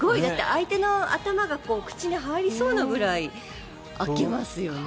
相手の頭が口に入りそうなぐらい開きますよね。